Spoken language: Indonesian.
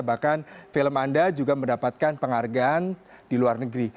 bahkan film anda juga mendapatkan penghargaan di luar negeri